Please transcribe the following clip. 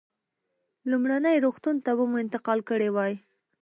لومړني روغتون ته به مو انتقال کړی وای.